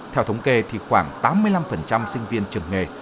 theo thống kê thì khoảng tám mươi năm sinh viên trường nghề